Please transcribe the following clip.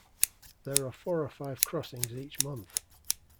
There are four or five crossings each month.